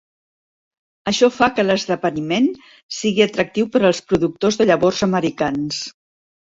Això fa que l'esdeveniment sigui atractiu per als "productors de llavors" americans.